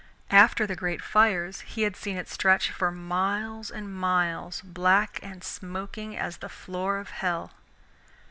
After the great fires he had seen it stretch for miles and miles, black and smoking as the floor of hell.